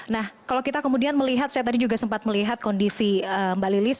nah kalau kita kemudian melihat saya tadi juga sempat melihat kondisi mbak lilis